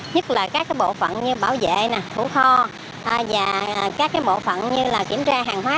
nhất là các bộ phận như bảo vệ thủ kho và các bộ phận như là kiểm tra hàng hóa